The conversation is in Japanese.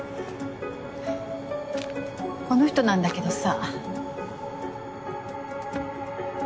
この人なんだけどさ。